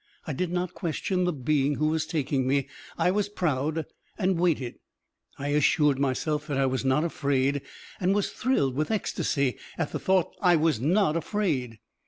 I did not question the being who was taking me; I was proud and waited. I assured myself that I was not afraid, and was thrilled with ecstasy at the thought that I was not afraid.